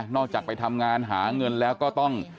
อกจากไปทำงานหาเงินแล้วก็ต้อง